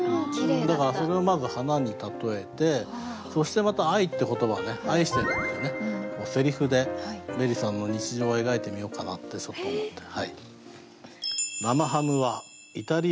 だからそれをまず花に例えてそしてまた「愛」って言葉はね「愛してる」っていうねセリフでベリさんの日常を描いてみようかなってちょっと思って。